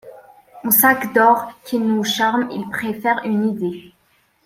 Au sac d'or qui nous charme, il préfère une idée.